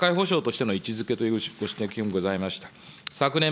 社会保障としての位置づけというご指摘もございました。